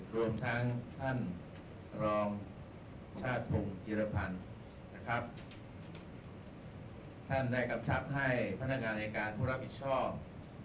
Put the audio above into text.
ชาติภูมิธีรภัณฑ์นะครับท่านได้กำชักให้พนักงานในการผู้รับผิดชอบ